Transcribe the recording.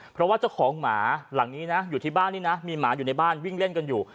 เพราะว่าเจ้าของหมาหลังนี้นะอยู่ที่บ้านนี่นะมีหมาอยู่ในบ้านวิ่งเล่นกันอยู่